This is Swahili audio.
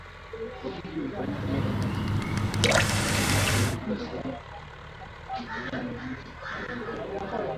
Uhakiki ulifanyika mwezi Machi mwaka elfu mbili na mbili uliiweka Tanzania katika nafasi nzuri zaidi kuwa mwenyeji wa mashindano hayo.